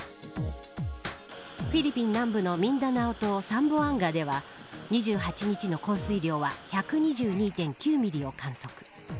フィリピン南部のミンダナオ島サンボアンガでは２８日の降水量は１２２．９ミリを観測。